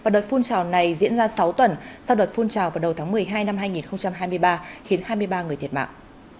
đợt phun trào này diễn ra sáu tuần sau đợt phun trào vào đầu tháng một mươi hai năm hai nghìn hai mươi ba khiến hai mươi ba người thiệt mạng